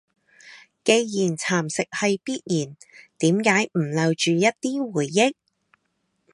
既然蠶蝕係必然，點解唔留住一啲回憶？